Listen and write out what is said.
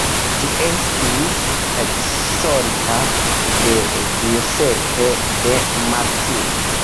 Ĝi estis reĝisorita de Giuseppe De Martino.